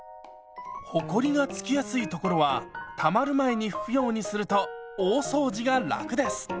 ほこりがつきやすい所はたまる前に拭くようにすると大掃除が楽です。